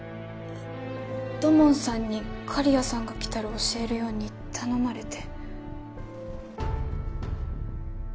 土門さんに刈谷さんが来たら教えるように頼まれて。